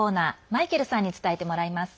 マイケルさんに伝えてもらいます。